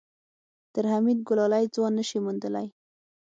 تر حميد ګلالی ځوان نه شې موندلی.